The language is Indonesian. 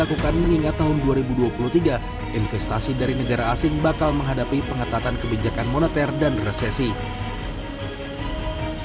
dan yang akan dilakukan hingga tahun dua ribu dua puluh tiga investasi dari negara asing bakal menghadapi pengetatan kebijakan moneter dan resesi